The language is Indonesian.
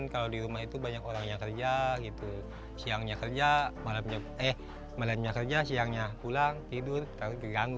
kalau di rumah itu banyak orang yang kerja siangnya kerja eh malamnya kerja siangnya pulang tidur keganggu